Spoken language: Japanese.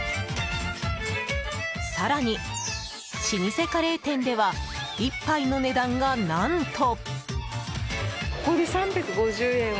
更に、老舗カレー店では１杯の値段がなんと。